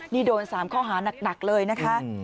นี่โดน๓ข้อหานักเลยนะคะ